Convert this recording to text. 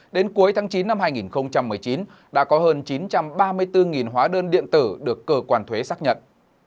đến cuối tháng chín năm hai nghìn một mươi chín đã có hơn chín trăm ba mươi bốn hóa đơn điện tử được cơ quan thuế xác nhận